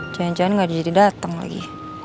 jangan jangan nggak jadi datang lagi